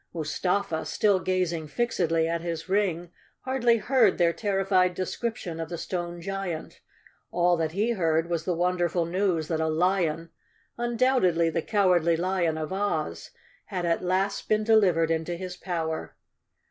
Mustafa, still gazing fixedly at his ring, hardly heard their terrified description of the stone giant. All that he heard was the wonderful news that a lion, undoubt¬ edly the Cowardly Lion of Oz, had at last been deliv¬ ered into his power.